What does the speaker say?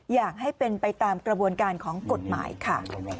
อยากให้เป็นไปตามกระบวนการของกฎหมายค่ะ